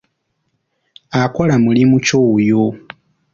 Akola mulimu ki oyo?